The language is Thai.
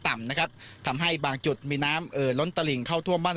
ต่ำนะครับทำให้บางจุดมีน้ำเอ่อล้นตลิงเข้าท่วมบ้าน